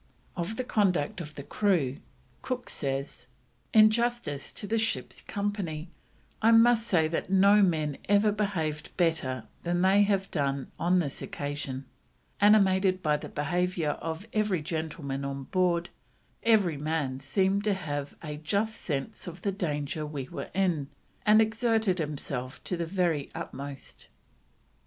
Of the conduct of the crew, Cook says: "In justice to the ship's company, I must say that no men ever behaved better than they have done on this occasion; animated by the behaviour of every Gentleman on board, every man seem'd to have a just sense of the Danger we were in, and exerted himself to the very utmost."